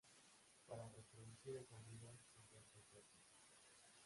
Para reproducir el sonido se invierte el proceso.